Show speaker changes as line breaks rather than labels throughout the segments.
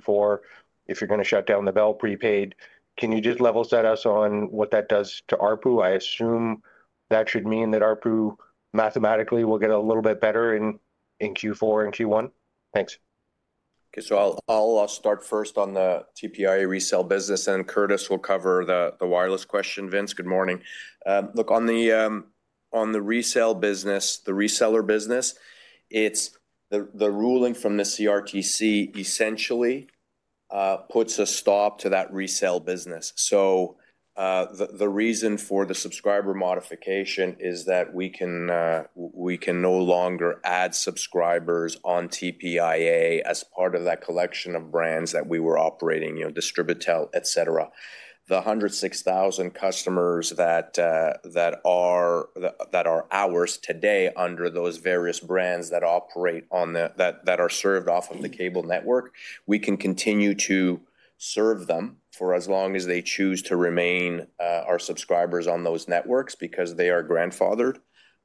Q4, if you're going to shut down the Bell prepaid, can you just level set us on what that does to ARPU? I assume that should mean that ARPU mathematically will get a little bit better in Q4 and Q1. Thanks.
Okay. So I'll start first on the TPI resale business, and then Curtis will cover the wireless question. Vince, good morning. Look, on the resale business, the reseller business, the ruling from the CRTC essentially puts a stop to that resale business. So the reason for the subscriber modification is that we can no longer add subscribers on TPIA as part of that collection of brands that we were operating, Distributel, etc. The 106,000 customers that are ours today under those various brands that operate on that are served off of the cable network. We can continue to serve them for as long as they choose to remain our subscribers on those networks because they are grandfathered.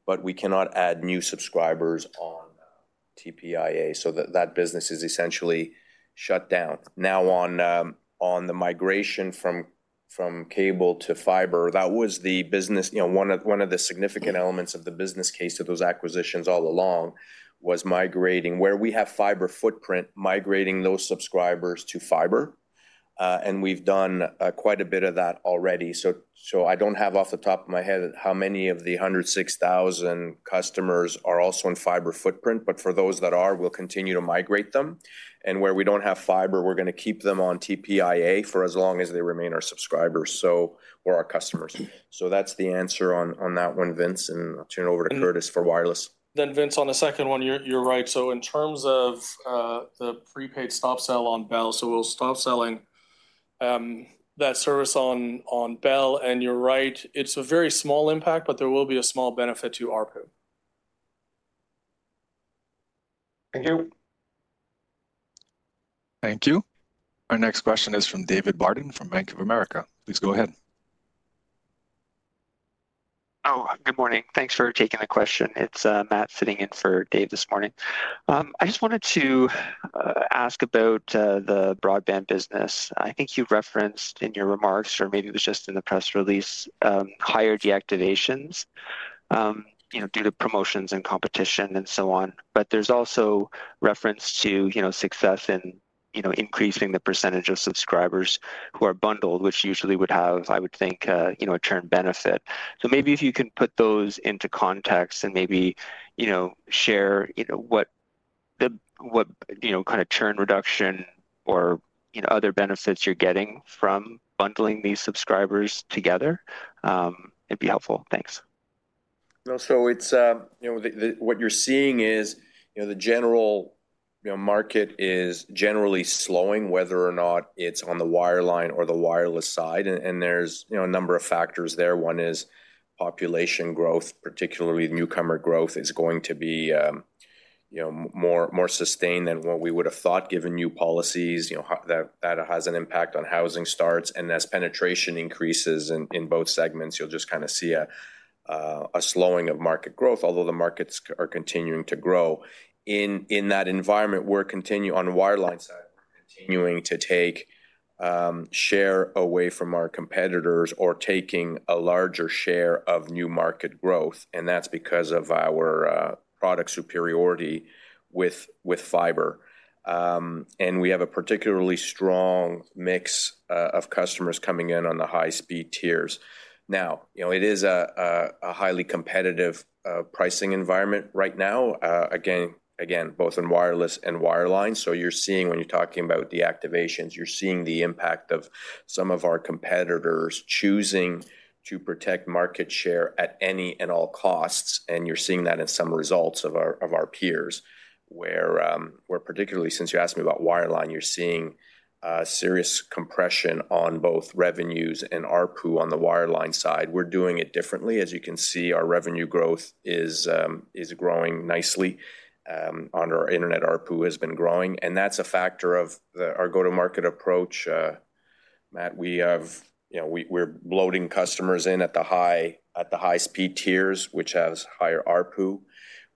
But we cannot add new subscribers on TPIA. So that business is essentially shut down. Now, on the migration from cable to fiber, that was the business. One of the significant elements of the business case of those acquisitions all along was migrating where we have fiber footprint, migrating those subscribers to fiber. And we've done quite a bit of that already. So I don't have off the top of my head how many of the 106,000 customers are also in fiber footprint, but for those that are, we'll continue to migrate them. And where we don't have fiber, we're going to keep them on TPIA for as long as they remain our subscribers or our customers. So that's the answer on that one, Vince. And I'll turn it over to Curtis for wireless.
Then Vince, on the second one, you're right. So in terms of the prepaid stop sell on Bell, so we'll stop selling that service on Bell. And you're right, it's a very small impact, but there will be a small benefit to ARPU.
Thank you.
Thank you. Our next question is from David Barden from Bank of America. Please go ahead.
Oh, good morning. Thanks for taking the question. It's Matt sitting in for David this morning. I just wanted to ask about the broadband business. I think you referenced in your remarks, or maybe it was just in the press release, higher deactivations due to promotions and competition and so on. But there's also reference to success in increasing the percentage of subscribers who are bundled, which usually would have, I would think, a churn benefit. So maybe if you can put those into context and maybe share what kind of churn reduction or other benefits you're getting from bundling these subscribers together, it'd be helpful. Thanks.
So what you're seeing is the general market is generally slowing, whether or not it's on the wireline or the wireless side. And there's a number of factors there. One is population growth, particularly newcomer growth, is going to be more sustained than what we would have thought given new policies. That has an impact on housing starts. And as penetration increases in both segments, you'll just kind of see a slowing of market growth, although the markets are continuing to grow. In that environment, we're continuing on the wireline side, continuing to take share away from our competitors or taking a larger share of new market growth. And that's because of our product superiority with fiber. And we have a particularly strong mix of customers coming in on the high-speed tiers. Now, it is a highly competitive pricing environment right now, again, both in wireless and wireline. So you're seeing, when you're talking about deactivations, you're seeing the impact of some of our competitors choosing to protect market share at any and all costs. And you're seeing that in some results of our peers, where particularly since you asked me about wireline, you're seeing serious compression on both revenues and ARPU on the wireline side. We're doing it differently. As you can see, our revenue growth is growing nicely. Our internet ARPU has been growing. And that's a factor of our go-to-market approach. Matt, we're loading customers in at the high-speed tiers, which has higher ARPU.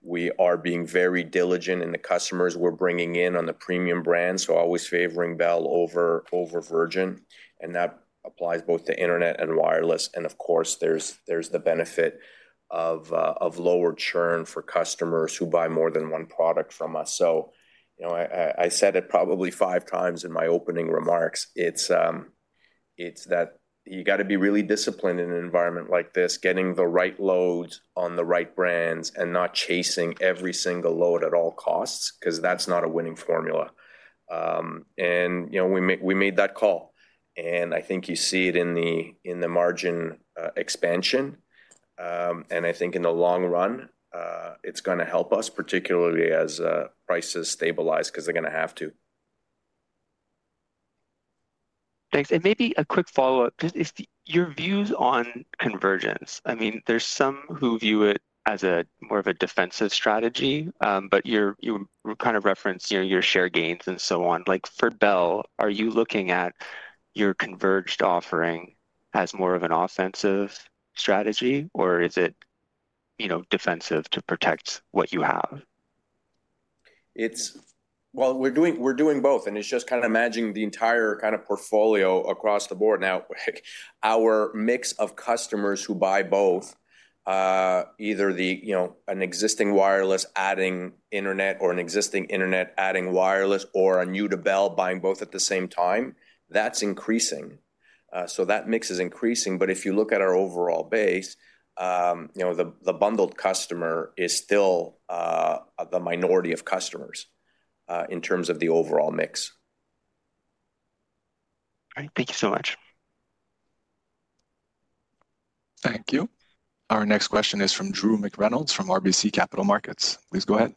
We are being very diligent in the customers we're bringing in on the premium brands, so always favoring Bell over Virgin. And that applies both to internet and wireless. And of course, there's the benefit of lower churn for customers who buy more than one product from us. So I said it probably five times in my opening remarks. It's that you got to be really disciplined in an environment like this, getting the right loads on the right brands and not chasing every single load at all costs because that's not a winning formula. And we made that call. And I think you see it in the margin expansion. And I think in the long run, it's going to help us, particularly as prices stabilize because they're going to have to.
Thanks. And maybe a quick follow-up. Your views on convergence, I mean, there's some who view it as more of a defensive strategy, but you kind of referenced your share gains and so on. Like for Bell, are you looking at your converged offering as more of an offensive strategy, or is it defensive to protect what you have?
Well, we're doing both. And it's just kind of managing the entire kind of portfolio across the board. Now, our mix of customers who buy both, either an existing wireless adding internet or an existing internet adding wireless or a new-to-Bell buying both at the same time, that's increasing. So that mix is increasing. But if you look at our overall base, the bundled customer is still the minority of customers in terms of the overall mix.
All right. Thank you so much.
Thank you. Our next question is from Drew McReynolds from RBC Capital Markets. Please go ahead.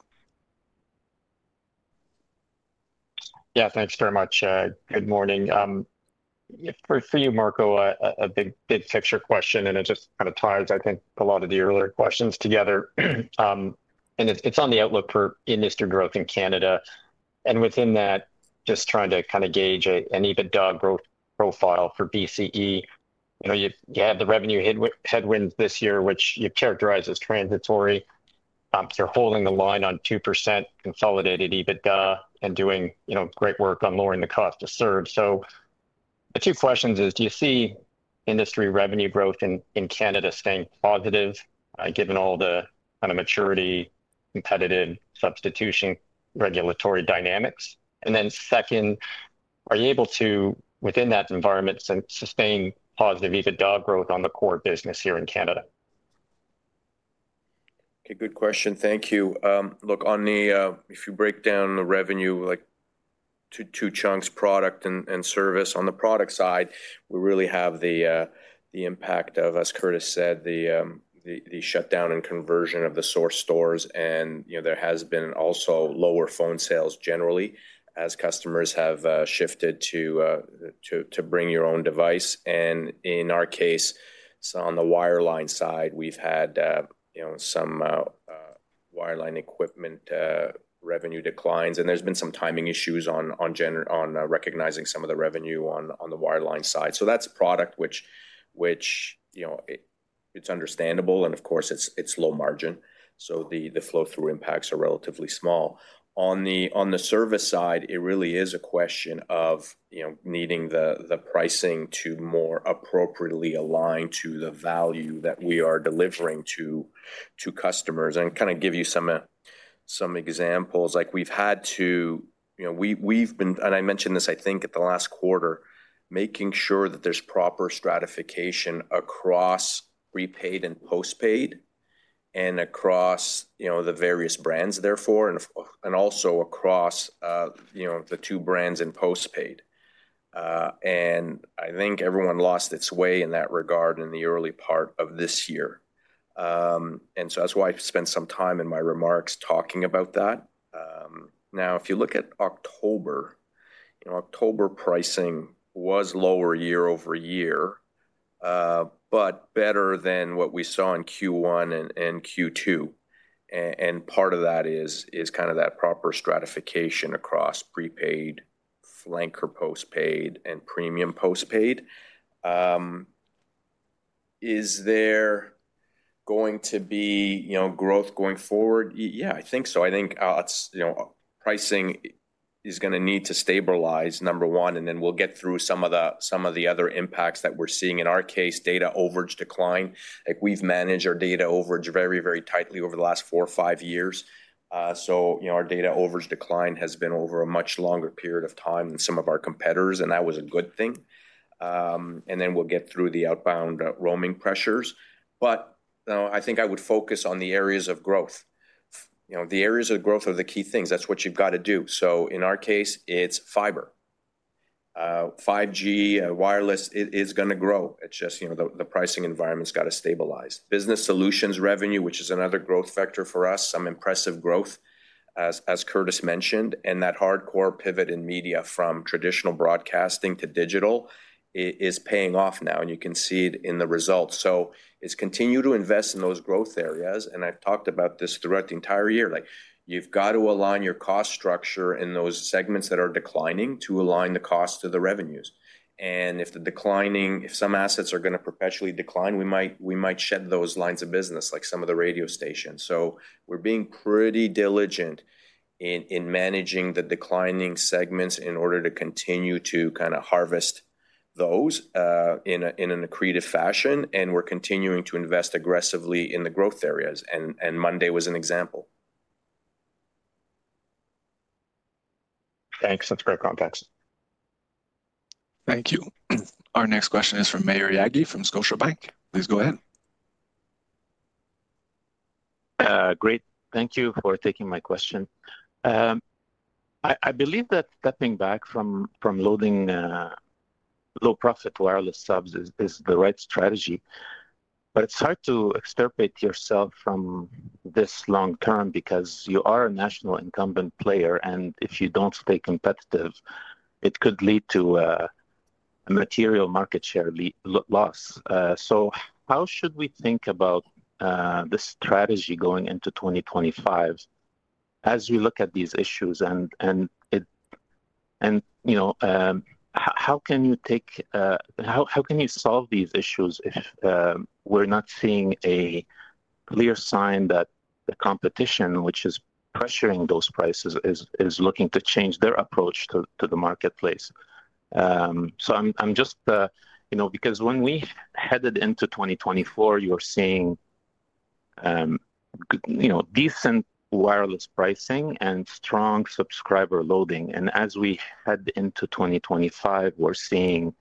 Yeah, thanks very much. Good morning. For you, Mirko, a big picture question, and it just kind of ties, I think, a lot of the earlier questions together, and it's on the outlook for industry growth in Canada, and within that, just trying to kind of gauge an EBITDA growth profile for BCE. You had the revenue headwinds this year, which you characterize as transitory. You're holding the line on 2% consolidated EBITDA and doing great work on lowering the cost to serve, so the two questions are, do you see industry revenue growth in Canada staying positive given all the kind of maturity, competitive substitution, regulatory dynamics, and then second, are you able to, within that environment, sustain positive EBITDA growth on the core business here in Canada?
Okay. Good question. Thank you. Look, if you break down the revenue to two chunks, product and service, on the product side, we really have the impact of, as Curtis said, the shutdown and conversion of The Source stores. And there has been also lower phone sales generally as customers have shifted to bring your own device. And in our case, on the wireline side, we've had some wireline equipment revenue declines. And there's been some timing issues on recognizing some of the revenue on the wireline side. So that's product, which it's understandable. And of course, it's low margin. So the flow-through impacts are relatively small. On the service side, it really is a question of needing the pricing to more appropriately align to the value that we are delivering to customers. And kind of give you some examples. We've had to, and I mentioned this, I think, at the last quarter, making sure that there's proper stratification across prepaid and postpaid and across the various brands, therefore, and also across the two brands in postpaid. I think everyone lost its way in that regard in the early part of this year. That's why I spent some time in my remarks talking about that. Now, if you look at October, October pricing was lower year over year, but better than what we saw in Q1 and Q2. Part of that is kind of that proper stratification across prepaid, flanker postpaid, and premium postpaid. Is there going to be growth going forward? Yeah, I think so. I think pricing is going to need to stabilize, number one. Then we'll get through some of the other impacts that we're seeing. In our case, data overage decline. We've managed our data overage very, very tightly over the last four or five years. So our data overage decline has been over a much longer period of time than some of our competitors, and that was a good thing, and then we'll get through the outbound roaming pressures, but I think I would focus on the areas of growth. The areas of growth are the key things. That's what you've got to do, so in our case, it's fiber. 5G wireless is going to grow. It's just the pricing environment's got to stabilize. Business solutions revenue, which is another growth factor for us, some impressive growth, as Curtis mentioned, and that hardcore pivot in media from traditional broadcasting to digital is paying off now, and you can see it in the results, so it's continue to invest in those growth areas. And I've talked about this throughout the entire year. You've got to align your cost structure in those segments that are declining to align the cost of the revenues. And if some assets are going to perpetually decline, we might shed those lines of business, like some of the radio stations. So we're being pretty diligent in managing the declining segments in order to continue to kind of harvest those in an accretive fashion. And we're continuing to invest aggressively in the growth areas. And Monday was an example.
Thanks. That's great context.
Thank you. Our next question is from Maher Yaghi from Scotiabank. Please go ahead.
Great. Thank you for taking my question. I believe that stepping back from loading low-profit wireless subs is the right strategy. It is hard to extricate yourself from this long term because you are a national incumbent player. If you do not stay competitive, it could lead to a material market share loss. How should we think about the strategy going into 2025 as we look at these issues? How can you solve these issues if we are not seeing a clear sign that the competition, which is pressuring those prices, is looking to change their approach to the marketplace? When we headed into 2024, you were seeing decent wireless pricing and strong subscriber loading. As we head into 2025, we are seeing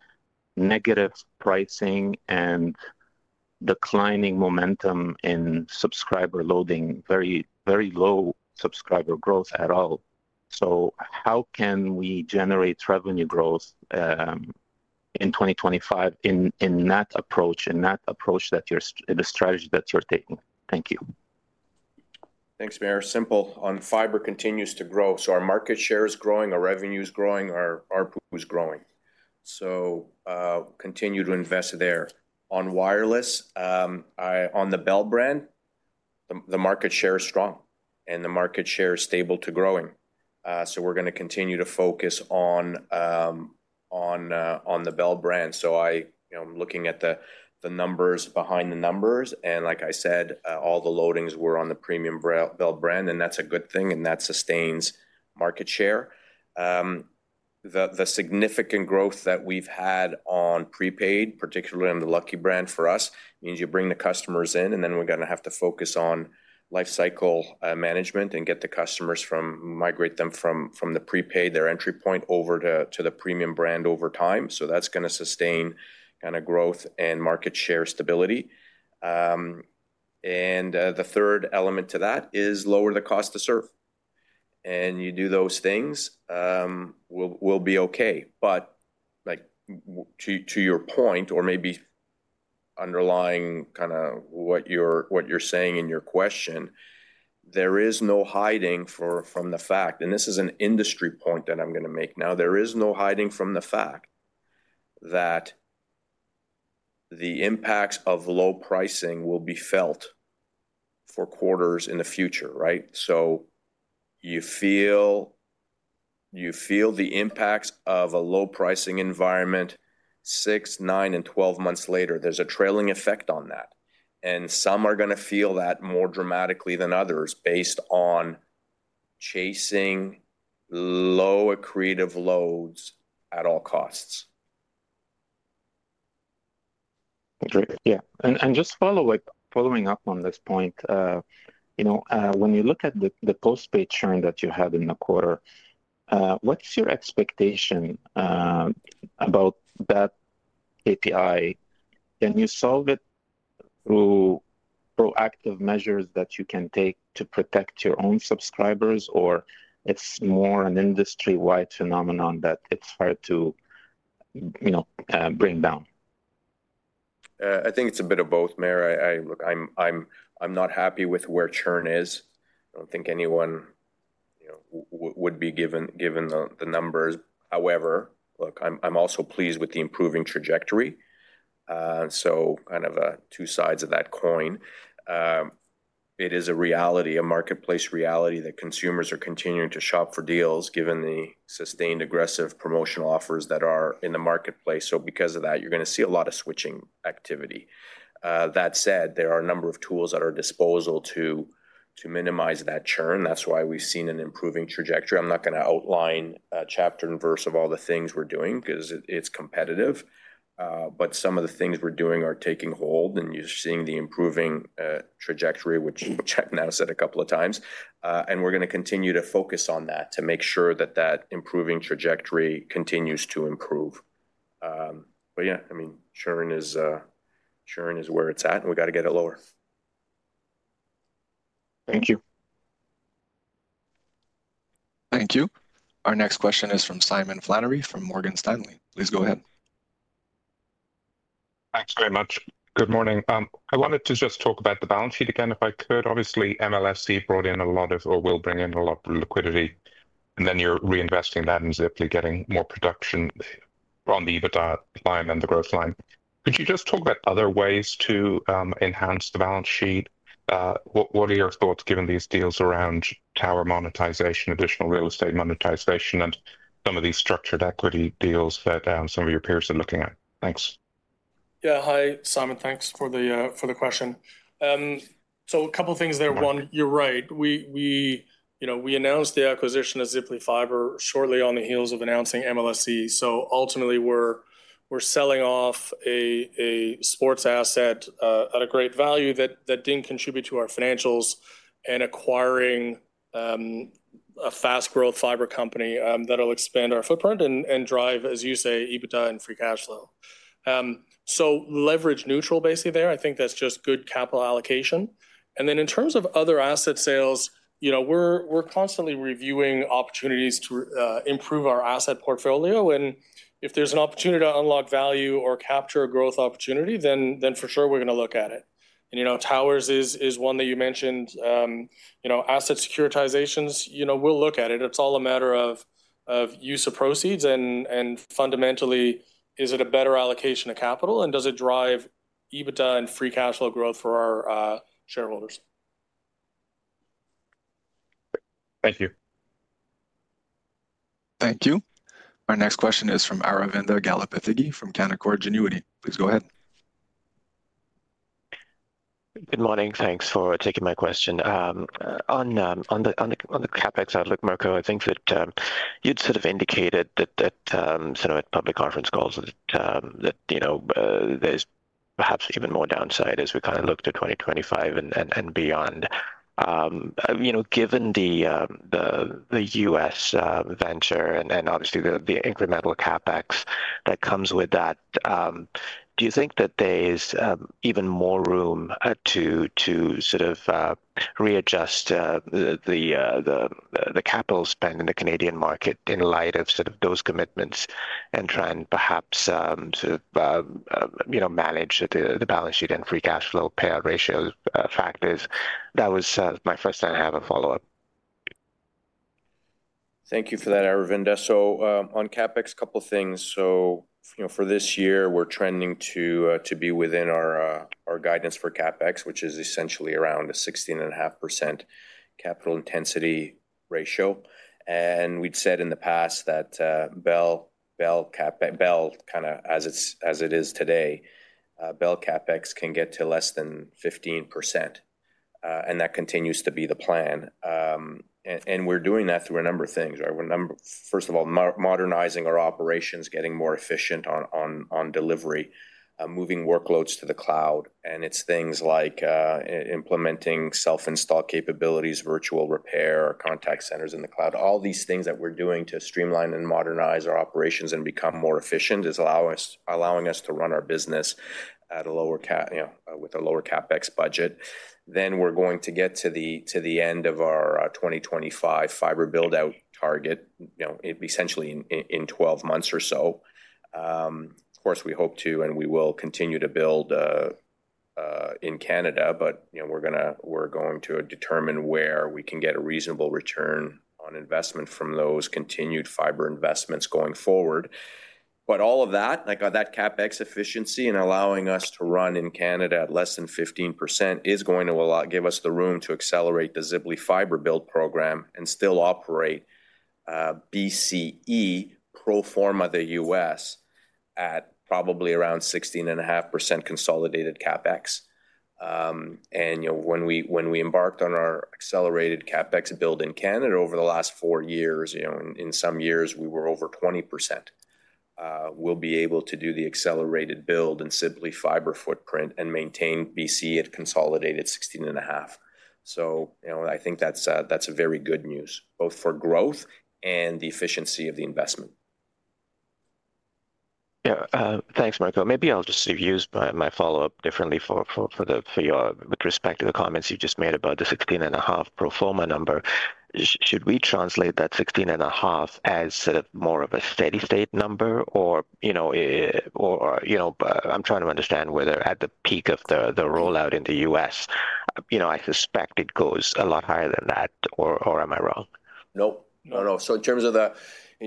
negative pricing and declining momentum in subscriber loading, very low subscriber growth at all. How can we generate revenue growth in 2025 in that approach, the strategy that you're taking? Thank you.
Thanks, Maher. Simple. On fiber continues to grow, so our market share is growing. Our revenue is growing. Our ARPU is growing, so continue to invest there. On wireless, on the Bell brand, the market share is strong and the market share is stable to growing, so we're going to continue to focus on the Bell brand, so I'm looking at the numbers behind the numbers, and, like I said, all the loadings were on the premium Bell brand, and that's a good thing, and that sustains market share. The significant growth that we've had on prepaid, particularly on the Lucky brand for us, means you bring the customers in, and then we're going to have to focus on lifecycle management and get the customers to migrate them from the prepaid, their entry point, over to the premium brand over time. So that's going to sustain kind of growth and market share stability. And the third element to that is lower the cost to serve. And you do those things, we'll be okay. But to your point, or maybe underlying kind of what you're saying in your question, there is no hiding from the fact. And this is an industry point that I'm going to make now. There is no hiding from the fact that the impacts of low pricing will be felt for quarters in the future, right? So you feel the impacts of a low pricing environment six, nine, and 12 months later. There's a trailing effect on that. And some are going to feel that more dramatically than others based on chasing low accretive loads at all costs.
Great. Yeah. And just following up on this point, when you look at the postpaid churn that you had in the quarter, what's your expectation about that KPI? Can you solve it through proactive measures that you can take to protect your own subscribers, or it's more an industry-wide phenomenon that it's hard to bring down?
I think it's a bit of both, yeah. I'm not happy with where churn is. I don't think anyone would be given the numbers. However, look, I'm also pleased with the improving trajectory, so kind of two sides of that coin. It is a reality, a marketplace reality, that consumers are continuing to shop for deals given the sustained aggressive promotional offers that are in the marketplace, so because of that, you're going to see a lot of switching activity. That said, there are a number of tools at our disposal to minimize that churn. That's why we've seen an improving trajectory. I'm not going to outline chapter and verse of all the things we're doing because it's competitive, but some of the things we're doing are taking hold, and you're seeing the improving trajectory, which I've now said a couple of times. And we're going to continue to focus on that to make sure that improving trajectory continues to improve. But yeah, I mean, churn is where it's at. And we got to get it lower.
Thank you.
Thank you. Our next question is from Simon Flannery from Morgan Stanley. Please go ahead.
Thanks very much. Good morning. I wanted to just talk about the balance sheet again, if I could. Obviously, MLSE brought in a lot of or will bring in a lot of liquidity. And then you're reinvesting that and simply getting more production on the EBITDA line and the growth line. Could you just talk about other ways to enhance the balance sheet? What are your thoughts given these deals around tower monetization, additional real estate monetization, and some of these structured equity deals that some of your peers are looking at? Thanks.
Yeah. Hi, Simon. Thanks for the question, so a couple of things there. One, you're right. We announced the acquisition of Ziply Fiber shortly on the heels of announcing MLSE, so ultimately, we're selling off a sports asset at a great value that didn't contribute to our financials and acquiring a fast-growth fiber company that will expand our footprint and drive, as you say, EBITDA and free cash flow, so leverage neutral, basically, there. I think that's just good capital allocation, and then in terms of other asset sales, we're constantly reviewing opportunities to improve our asset portfolio, and if there's an opportunity to unlock value or capture a growth opportunity, then for sure, we're going to look at it, and towers is one that you mentioned. Asset securitizations, we'll look at it. It's all a matter of use of proceeds, and fundamentally, is it a better allocation of capital? Does it drive EBITDA and free cash flow growth for our shareholders?
Thank you.
Thank you. Our next question is from Aravinda Galappatthige from Canaccord Genuity. Please go ahead.
Good morning. Thanks for taking my question. On the CapEx outlook, Mirko, I think that you'd sort of indicated that at some of the public conference calls that there's perhaps even more downside as we kind of look to 2025 and beyond. Given the U.S. venture and obviously the incremental CapEx that comes with that, do you think that there's even more room to sort of readjust the capital spend in the Canadian market in light of sort of those commitments and try and perhaps sort of manage the balance sheet and free cash flow payout ratio factors? That was my first time I have a follow-up.
Thank you for that, Aravinda. So on CapEx, a couple of things. So for this year, we're trending to be within our guidance for CapEx, which is essentially around a 16.5% capital intensity ratio. And we'd said in the past that Bell kind of as it is today, Bell CapEx can get to less than 15%. And that continues to be the plan. And we're doing that through a number of things. First of all, modernizing our operations, getting more efficient on delivery, moving workloads to the cloud. And it's things like implementing self-install capabilities, virtual repair, contact centers in the cloud. All these things that we're doing to streamline and modernize our operations and become more efficient is allowing us to run our business with a lower CapEx budget. Then we're going to get to the end of our 2025 fiber buildout target, essentially in 12 months or so. Of course, we hope to, and we will continue to build in Canada. But we're going to determine where we can get a reasonable return on investment from those continued fiber investments going forward. But all of that, that CapEx efficiency and allowing us to run in Canada at less than 15% is going to give us the room to accelerate the Ziply Fiber build program and still operate BCE pro forma in the U.S. at probably around 16.5% consolidated CapEx. And when we embarked on our accelerated CapEx build in Canada over the last four years, in some years, we were over 20%. We'll be able to do the accelerated build and expand the fiber footprint and maintain BCE at consolidated 16.5%. So I think that's very good news, both for growth and the efficiency of the investment.
Yeah. Thanks, Mirko. Maybe I'll just use my follow-up differently with respect to the comments you just made about the 16.5% pro forma number. Should we translate that 16.5% as sort of more of a steady-state number? Or I'm trying to understand whether at the peak of the rollout in the U.S., I suspect it goes a lot higher than that, or am I wrong?
Nope. No, no, so in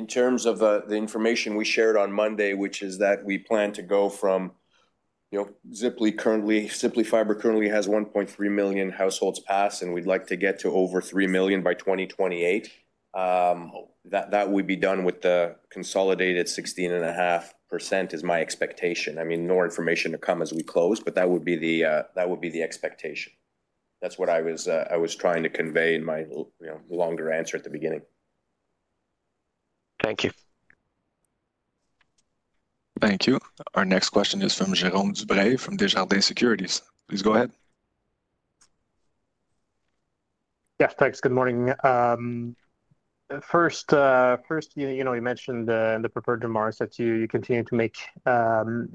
terms of the information we shared on Monday, which is that we plan to go from Ziply Fiber currently has 1.3 million households passed, and we'd like to get to over 3 million by 2028. That would be done with the consolidated 16.5% is my expectation. I mean, more information to come as we close, but that would be the expectation. That's what I was trying to convey in my longer answer at the beginning.
Thank you.
Thank you. Our next question is from Jérôme Dubreuil from Desjardins Securities. Please go ahead.
Yes, thanks. Good morning. First, you mentioned in the prepared remarks that you continue to make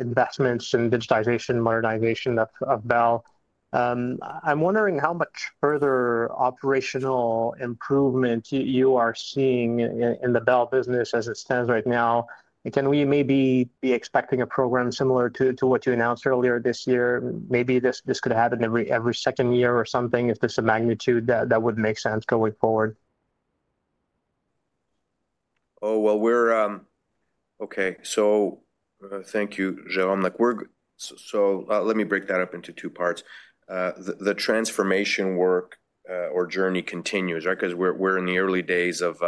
investments in digitization, modernization of Bell. I'm wondering how much further operational improvement you are seeing in the Bell business as it stands right now. Can we maybe be expecting a program similar to what you announced earlier this year? Maybe this could happen every second year or something if there's a magnitude that would make sense going forward.
Oh, well, we're okay, so thank you, Jérôme. So let me break that up into two parts. The transformation work or journey continues, right? Because we're in the early days of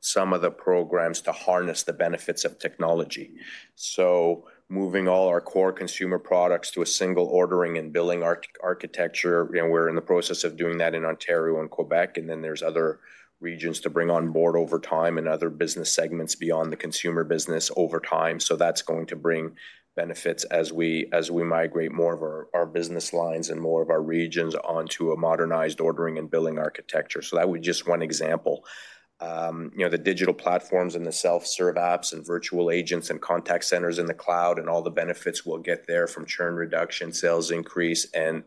some of the programs to harness the benefits of technology. So moving all our core consumer products to a single ordering and billing architecture, we're in the process of doing that in Ontario and Quebec, and then there's other regions to bring on board over time and other business segments beyond the consumer business over time. So that's going to bring benefits as we migrate more of our business lines and more of our regions onto a modernized ordering and billing architecture, so that was just one example. The digital platforms and the self-serve apps and virtual agents and contact centers in the cloud and all the benefits we'll get therefrom: churn reduction, sales increase, and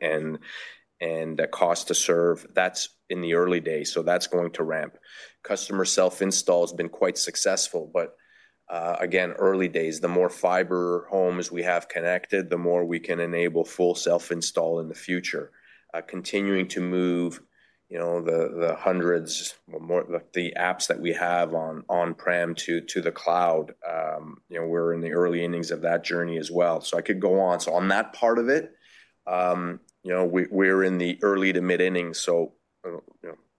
the cost to serve. That's in the early days, so that's going to ramp. Customer self-install has been quite successful, but again, early days, the more fiber homes we have connected, the more we can enable full self-install in the future. Continuing to move the hundreds, the apps that we have on-prem to the cloud, we're in the early innings of that journey as well, so I could go on, so on that part of it, we're in the early to mid-innings, so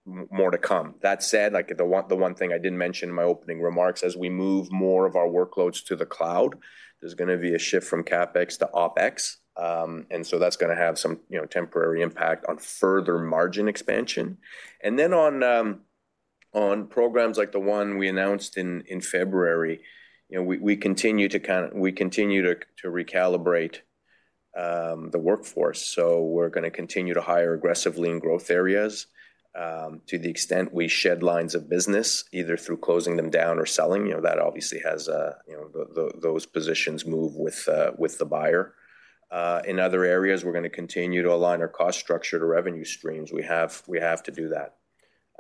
more to come. That said, the one thing I didn't mention in my opening remarks, as we move more of our workloads to the cloud, there's going to be a shift from CapEx to OpEx. And so that's going to have some temporary impact on further margin expansion. And then on programs like the one we announced in February, we continue to recalibrate the workforce. So we're going to continue to hire aggressively in growth areas to the extent we shed lines of business, either through closing them down or selling. That obviously has those positions move with the buyer. In other areas, we're going to continue to align our cost structure to revenue streams. We have to do that.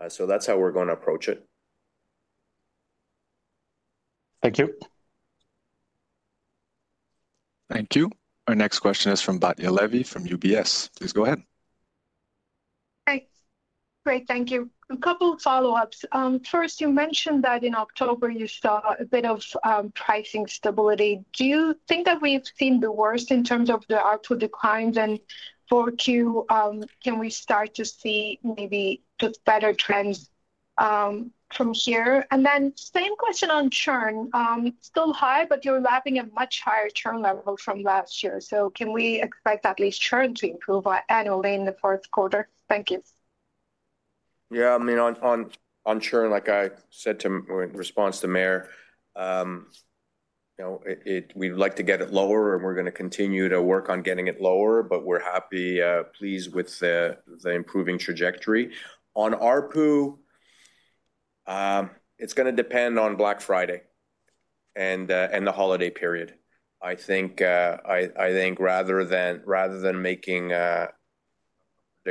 So that's how we're going to approach it.
Thank you.
Thank you. Our next question is from Batya Levi from UBS. Please go ahead.
Hi. Great. Thank you. A couple of follow-ups. First, you mentioned that in October, you saw a bit of pricing stability. Do you think that we've seen the worst in terms of the output declines? And for Q, can we start to see maybe just better trends from here? And then same question on churn. Still high, but you're lapping a much higher churn level from last year. So can we expect at least churn to improve annually in the fourth quarter? Thank you.
Yeah. I mean, on churn, like I said in response to Maher, we'd like to get it lower, and we're going to continue to work on getting it lower. But we're happy, pleased with the improving trajectory. On ARPU, it's going to depend on Black Friday and the holiday period. I think rather than making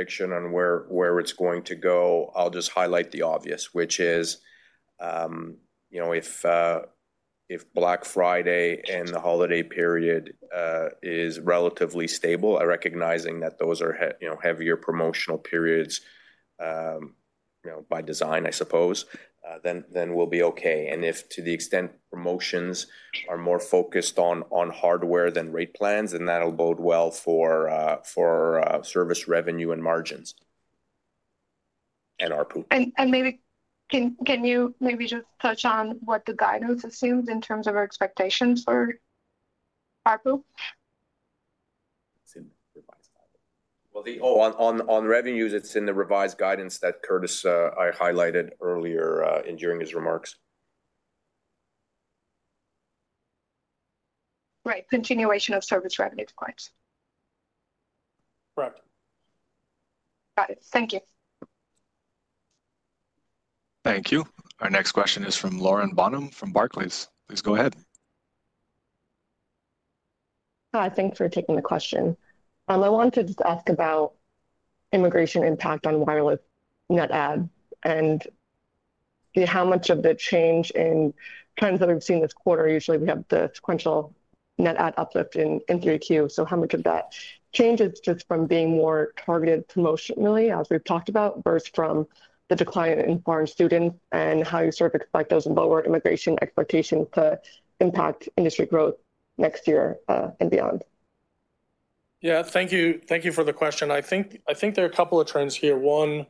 a prediction on where it's going to go, I'll just highlight the obvious, which is if Black Friday and the holiday period is relatively stable, recognizing that those are heavier promotional periods by design, I suppose, then we'll be okay, and if to the extent promotions are more focused on hardware than rate plans, then that'll bode well for service revenue and margins and ARPU.
Maybe can you maybe just touch on what the guidance assumes in terms of our expectations for ARPU?
On revenues, it's in the revised guidance that Curtis, I highlighted earlier during his remarks.
Right. Continuation of service revenue points.
Correct.
Got it. Thank you.
Thank you. Our next question is from Lauren Bonham from Barclays. Please go ahead.
Hi. Thanks for taking the question. I wanted to just ask about immigration impact on wireless NetAdd and how much of the change in trends that we've seen this quarter. Usually, we have the sequential NetAdd uplift in 3Q. So how much of that changes just from being more targeted promotionally, as we've talked about, versus from the decline in foreign students, and how you sort of expect those lower immigration expectations to impact industry growth next year and beyond?
Yeah. Thank you for the question. I think there are a couple of trends here. One,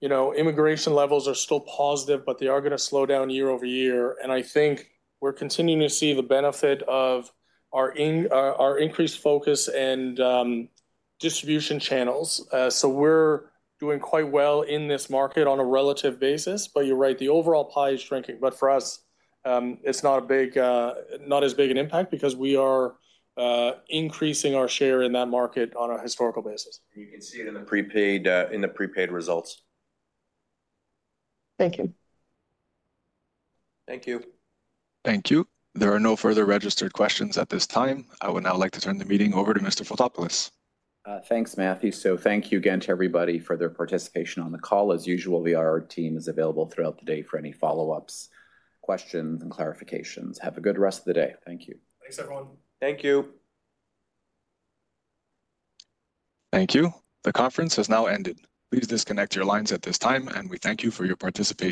immigration levels are still positive, but they are going to slow down year-over-year. And I think we're continuing to see the benefit of our increased focus and distribution channels. So we're doing quite well in this market on a relative basis. But you're right, the overall pie is shrinking. But for us, it's not as big an impact because we are increasing our share in that market on a historical basis.
You can see it in the prepaid results.
Thank you.
Thank you.
Thank you. There are no further registered questions at this time. I would now like to turn the meeting over to Mr. Fotopoulos.
Thanks, Matt. So thank you again to everybody for their participation on the call. As usual, our team is available throughout the day for any follow-ups, questions, and clarifications. Have a good rest of the day. Thank you.
Thanks, everyone.
Thank you.
Thank you. The conference has now ended. Please disconnect your lines at this time, and we thank you for your participation.